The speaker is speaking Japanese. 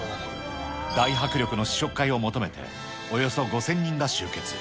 大迫力の試食会を求めて、およそ５０００人が集結。